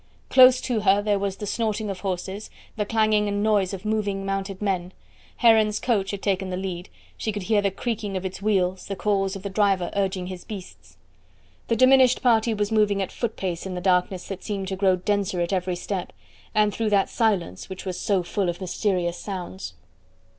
Close to her there was the snorting of horses, the clanging and noise of moving mounted men. Heron's coach had taken the lead; she could hear the creaking of its wheels, the calls of the driver urging his beasts. The diminished party was moving at foot pace in the darkness that seemed to grow denser at every step, and through that silence which was so full of mysterious sounds.